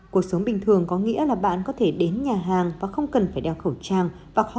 cuộc sống bình thường có nghĩa là bạn có thể đến nhà hàng và không cần phải đeo khẩu trang và khó